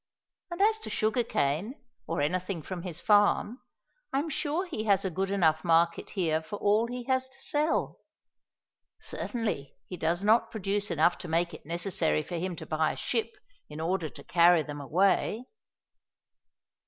And as to sugar cane, or anything from his farm, I am sure he has a good enough market here for all he has to sell. Certainly he does not produce enough to make it necessary for him to buy a ship in order to carry them away."